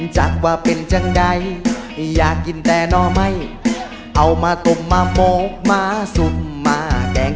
จากว่าเป็นจังใดอยากกินแต่น่อไม่เอามาต้มมามกม้าซุ่มมาแดง